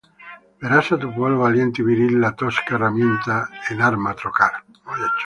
verás a tu pueblo valiente y viril la tosca herramienta en arma trocar